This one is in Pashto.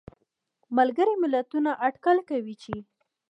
ملګري ملتونه اټکل کوي چې